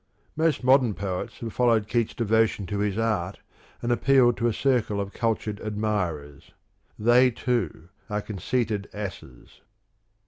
Most modern poets have followed Keats' devotion to his art and appealed to a circle of cultured admirers. They, too, are conceited asses.